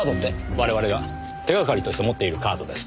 我々が手がかりとして持っているカードです。